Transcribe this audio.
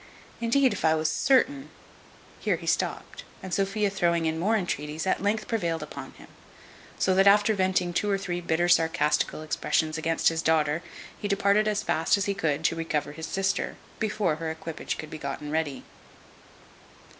Indeed, if I was certain" Here he stopt, and Sophia throwing in more entreaties, at length prevailed upon him; so that after venting two or three bitter sarcastical expressions against his daughter, he departed as fast as he could to recover his sister, before her equipage could be gotten ready.